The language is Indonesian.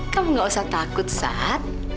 kamu gak usah takut sat